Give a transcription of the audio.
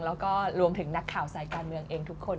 แล้วก็รวมถึงนักข่าวสายการเมืองเองทุกคน